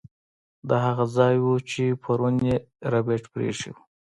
دا هغه ځای و چې پرون یې ربیټ پریښی و